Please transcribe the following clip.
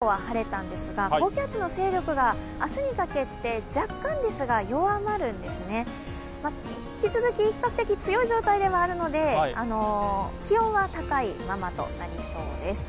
南から高気圧が覆っていましてこの影響で今日は晴れたんですが高気圧の勢力が明日にかけて若干ですが弱まるんですね、引き続き比較的強い状態ではあるので気温は高いままとなりそうです。